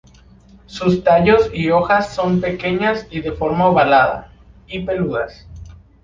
Sus tallos y hojas son pequeñas y de forma ovalada, y peludas.